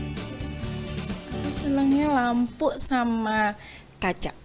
biasanya lampu sama kaca